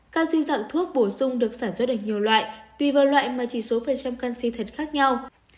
canxi dạng thuốc bổ sung được sản xuất ở nhiều loại tùy vào loại mà chỉ số phần trăm canxi thật khác nhau